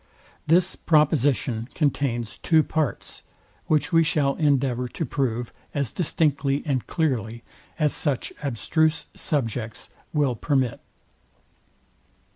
This proposition contains two parts, which we shall endeavour to prove as distinctly and clearly, as such abstruse subjects will permit.